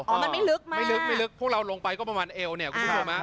มันไม่ลึกมากไม่ลึกไม่ลึกพวกเราลงไปก็ประมาณเอวเนี่ยคุณผู้ชมฮะ